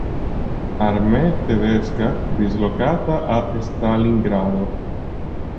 Armee tedesca dislocata a Stalingrado.